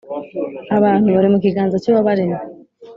abantu bari mu kiganza cy’Uwabaremye,